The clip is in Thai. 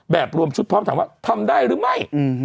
รวมชุดพร้อมถามว่าทำได้หรือไม่